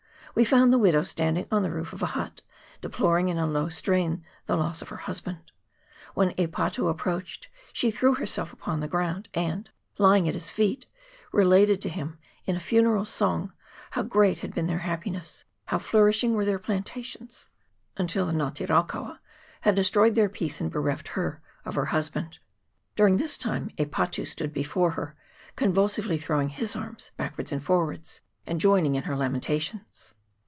We found the widow standing on the roof of a hut, deploring in a low strain the loss of her husband. When E Patu approached she threw herself upon the ground, and, lying at his feet, related to him, in a funeral song, how great had been their happiness, how flourish ing were their plantations, until the Nga te raukaua had destroyed their peace and bereft her of her husband. During this time E Patu stood before her, convulsively throwing his arms backwards and forwards, and joining in her lamentations.